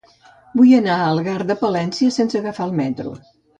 Vull anar a Algar de Palància sense agafar el metro.